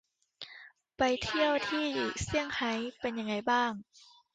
ไปเที่ยวที่ เซียงไฮ้ เป็นยังไงบ้าง ?